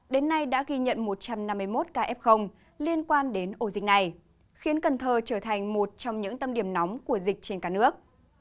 đến nay đã ghi nhận một trăm năm mươi một ca f liên quan đến ổ dịch này khiến cần thơ trở thành một trong những tâm điểm nóng của dịch trên cả nước